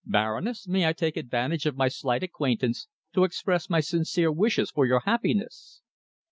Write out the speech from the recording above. Baroness, may I take advantage of my slight acquaintance to express my sincere wishes for your happiness?"